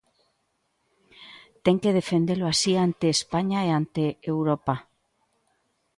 Ten que defendelo así ante España e ante Europa.